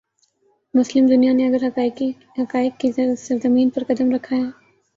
مسلم دنیا نے اگر حقائق کی سرزمین پر قدم رکھا ہے۔